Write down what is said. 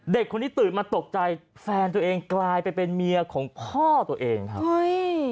เด็กคนนี้ตื่นมาตกใจแฟนตัวเองกลายไปเป็นเมียของพ่อตัวเองครับเฮ้ย